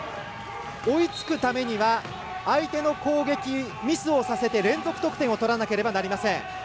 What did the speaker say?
追いつくためには、相手の攻撃ミスをさせて連続得点を取らなくてはいけません。